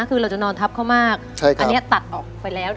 คือเราจะนอนทับเข้ามากใช่ครับอันเนี้ยตัดออกไปแล้ว